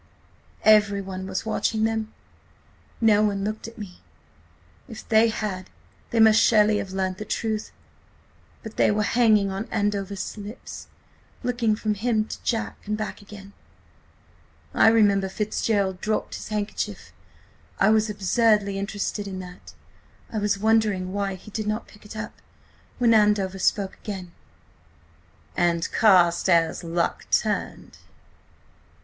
"Everyone was watching them. .. no one looked at me. If they had they must surely have learnt the truth; but they were hanging on Andover's lips, looking from him to Jack and back again. ... I remember Fitzgerald dropped his handkerchief–I was absurdly interested in that. I was wondering why he did not pick it up, when Andover spoke again. ... 'And Carstares' luck turned.